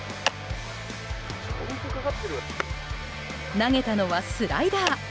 投げたのはスライダー。